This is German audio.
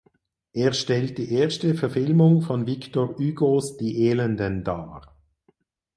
Er stellt die erste Verfilmung von Victor Hugos "Die Elenden" dar.